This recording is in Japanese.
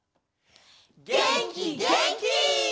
げんきげんき！